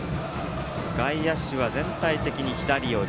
外野手は全体的に左寄り。